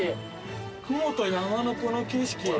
雲と山のこの景色。